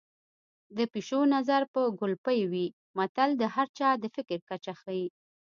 د پيشو نظر به کولپۍ وي متل د هر چا د فکر کچه ښيي